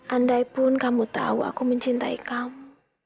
andaipun kamu tahu aku mencintai kamu